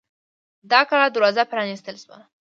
د کلا دروازه پرانیستل شوه.